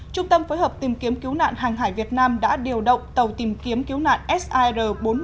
trung tâm phối hợp tìm kiếm cứu nạn hàng hải việt nam đã điều động tàu tìm kiếm cứu nạn sir bốn trăm một mươi